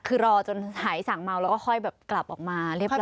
คือรอจนหายสั่งเมาแล้วก็ค่อยแบบกลับออกมาเรียบร้อ